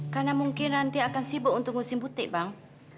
karena mungkin nanti akan sibuk untuk ngusim butik bang